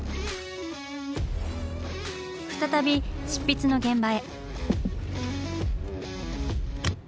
再び執筆の現場へ。